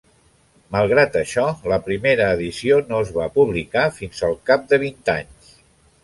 Malgrat això, la primera edició no es va publicar fins al cap de vint anys.